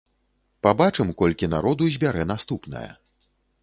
Пабачым, колькі народу збярэ наступная.